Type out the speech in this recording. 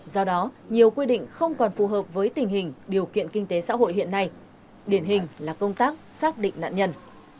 do đó nhiều quy định không còn phù hợp với tình hình điều kiện kinh tế xã hội hiện nay điển hình là công tác xác định nạn nhân